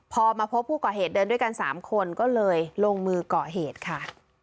พอมาพบผู้ก่อเหตุเดินด้วยกัน๓คนก็เลยลงมือก่อเหตุค่ะ